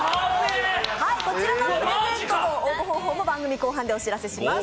こちら応募方法も番組後半でお知らせします。